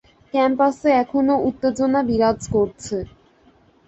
ক্যাম্পাসে এখনও উত্তেজনা বিরাজ করছে।